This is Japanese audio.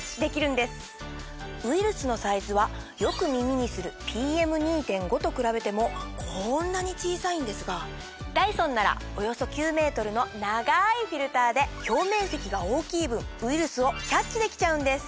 ウイルスのサイズはよく耳にするＰＭ２．５と比べてもこんなに小さいんですがダイソンならおよそ９ｍの長いフィルターで表面積が大きい分ウイルスをキャッチできちゃうんです。